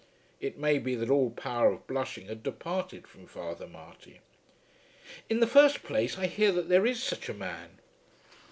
It may be that all power of blushing had departed from Father Marty. "In the first place I hear that there is such a man."